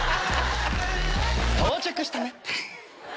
到着したね。